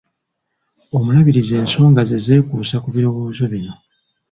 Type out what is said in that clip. Omuluubirizi ensonga ze zeekuuse ku birowoozo bino.